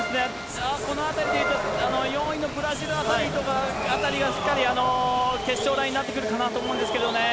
この辺りで、４位のブラジルあたりがしっかり決勝ラインになってくるかなと思うんですけどね。